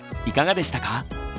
いかがでしたか？